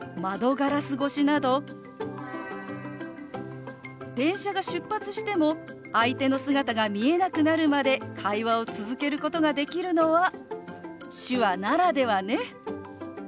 ガラス越しなど電車が出発しても相手の姿が見えなくなるまで会話を続けることができるのは手話ならではね。